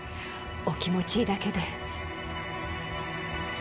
お気持ちだけで。